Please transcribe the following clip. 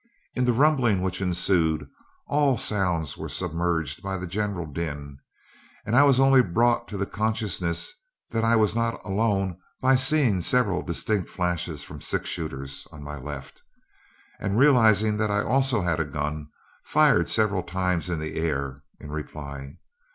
In the rumbling which ensued, all sounds were submerged by the general din; and I was only brought to the consciousness that I was not alone by seeing several distinct flashes from six shooters on my left, and, realizing that I also had a gun, fired several times in the air in reply.